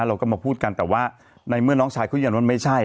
เราก็มาพูดกันแต่ว่าในเมื่อน้องชายเขายันว่าไม่ใช่